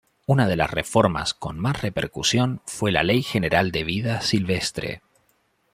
Una de las reformas con más repercusión fue la Ley General de Vida Silvestre.